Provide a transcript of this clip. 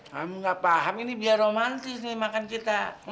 kamu gak paham ini biar romantis nih makan kita